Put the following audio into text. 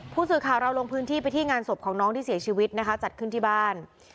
ผู้สื่อข่าวเราลงพื้นที่ไปที่งานศพของน้องที่เสียชีวิตนะคะจัดขึ้นที่บ้าน